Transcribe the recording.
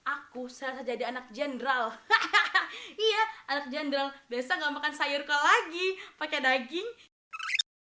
aku salah jadi anak jendral hahaha iya anak jendral bisa enggak makan sayur ke lagi pakai daging hai